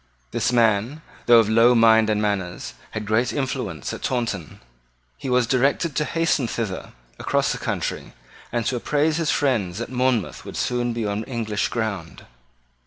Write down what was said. This man, though of low mind and manners, had great influence at Taunton. He was directed to hasten thither across the country, and to apprise his friends that Monmouth would soon be on English ground.